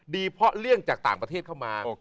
เพราะเลี่ยงจากต่างประเทศเข้ามา